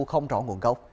không rõ nguồn gốc